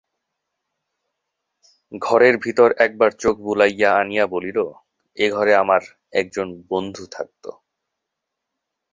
ঘরের ভিতর একবার চোখ বুলাইয়া আনিয়া বলিল, এঘরে আমার একজন বন্ধু থাকত।